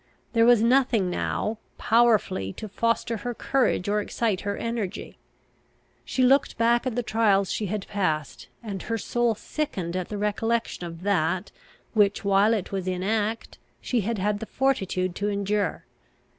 There was nothing now, powerfully to foster her courage or excite her energy. She looked back at the trials she had passed, and her soul sickened at the recollection of that, which, while it was in act, she had had the fortitude to endure.